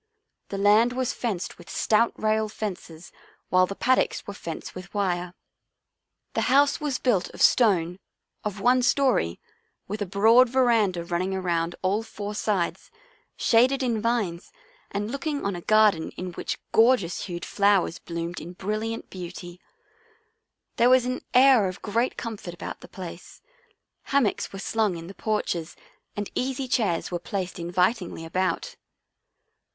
The land was fenced with stout rail fences while the paddocks were fenced with wire. The house was built of stone, of one story, with a broad veranda running around all four 1 Bucket for water, carried by Australians. On the Way to the " Run " 39 sides, shaded in vines and looking on a garden in which gorgeous hued flowers bloomed in brilliant beauty. There was an air of great com fort about the place. Hammocks were slung in the porches and easy chairs were placed invi tingly about.